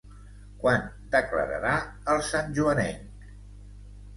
Quan declararà el santjoanenc?